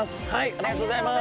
ありがとうございます。